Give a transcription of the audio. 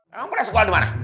emang pernah sekolah dimana